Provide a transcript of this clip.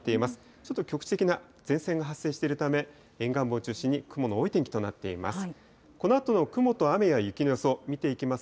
ちょっと局地的な前線が発生しているため、沿岸部を中心に雲の多い天気となっています。